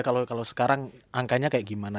kalau sekarang angkanya kayak gimana